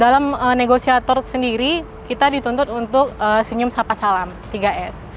dalam negosiator sendiri kita dituntut untuk senyum sapa salam tiga s